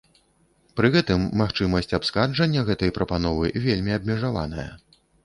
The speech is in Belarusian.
Пры гэтым магчымасць абскарджання гэтай пастановы вельмі абмежаваная.